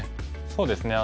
そうですね。